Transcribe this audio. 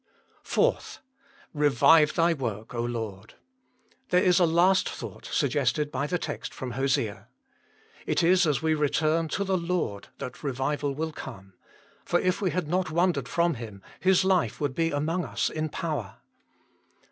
4. " Revive Thy work, Lord !" There is a last thought, suggested by the text from Hosea. It is as we return to the Lord that revival will come; for if we had not wandered from Him, His life would be among us in power.